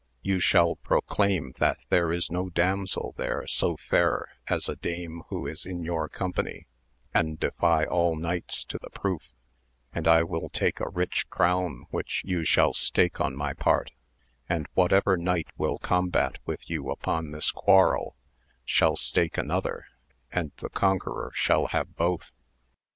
You shall proclaim that there is no damsel there so fair as a dame who is in your company, and defy all knights to the proof, and I will take a rich crown which you shall stake on my part, and whatever knight will combat with you upon this quarrel shall stake another, and the conqueror shall have both.